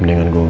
mau men gambar